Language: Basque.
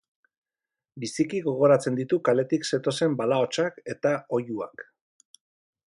Biziki gogoratzen ditu kaletik zetozen bala-hotsak eta oihuak.